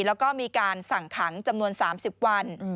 แล้วก็มีการสั่งขังจำนวน๓๐วัน